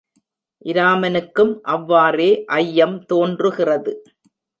இராமனுக்கும் அவ்வாறே ஐயம் தோன்றுகிறது.